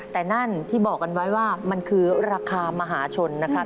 แต่นั่นที่บอกกันไว้ว่ามันคือราคามหาชนนะครับ